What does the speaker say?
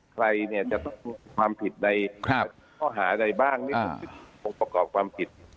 ใครเนี่ยจะรู้ความผิดในคั่วหาใดบ้างนี่สังสิทธิ์ของแผลความผิด